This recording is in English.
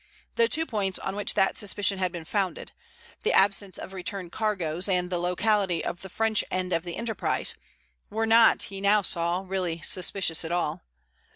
The two points on which that suspicion had been founded—the absence of return cargoes and the locality of the French end of the enterprise—were not, he now saw, really suspicious at all.